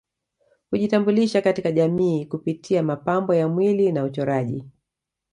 Hujitambulisha katika jamii kupitia mapambo ya mwili na uchoraji